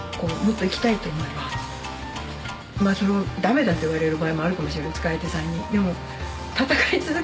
まあそれを駄目だと言われる場合もあるかもしれない遣い手さんに。